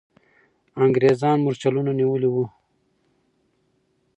انګریزان مرچلونه نیولي وو.